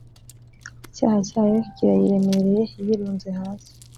icyaha cyayo kirayiremereye, yirunze hasi,